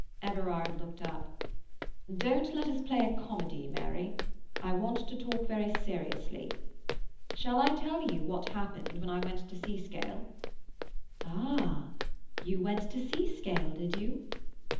Everard looked up. "Don't let us play a comedy, Mary. I want to talk very seriously. Shall I tell you what happened when I went to Seascale?" "Ah, you went to Seascale, did you?"